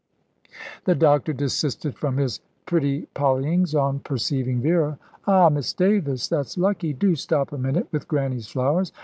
The doctor desisted from his "Pretty Pollyings" on perceiving Vera. "Ah, Miss Davis, that's lucky. Do stop a minute with Grannie's flowers.